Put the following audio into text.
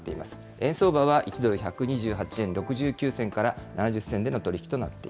円相場は１ドル１２８円６９銭から７０銭での取り引きとなってい